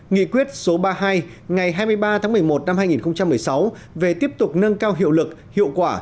nghị quyết số ba mươi hai ngày hai mươi ba tháng một mươi một năm hai nghìn một mươi sáu về tiếp tục nâng cao hiệu lực hiệu quả